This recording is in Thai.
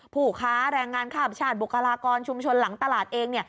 ผู้ค้าแรงงานข้ามชาติบุคลากรชุมชนหลังตลาดเอง